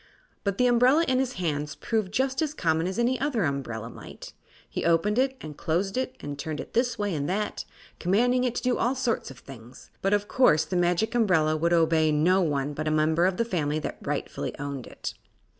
But the umbrella, in his hands, proved just as common as any other umbrella might. He opened it and closed it, and turned it this way and that, commanding it to do all sorts of things; but of course the Magic Umbrella would obey no one but a member of the family that rightfully owned it.